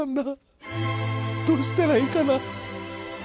どうしたらいいかなあ。